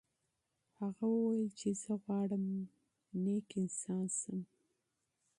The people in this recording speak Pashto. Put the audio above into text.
هغه وویل چې زه غواړم نیک انسان شم.